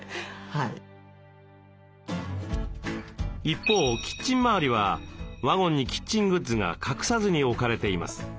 一方キッチン周りはワゴンにキッチングッズが隠さずに置かれています。